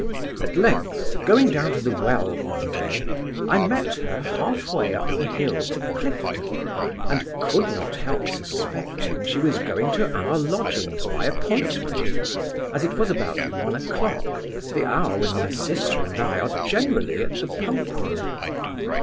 At length, going down to the Well one day, I met her half way up the hill to Clifton, and could not help suspecting she was going to our lodgings by appointment, as it was about one o'clock, the hour when my sister and I are generally at the Pump room.